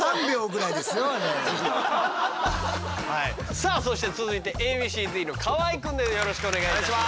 さあそして続いてＡ．Ｂ．Ｃ−Ｚの河合くんです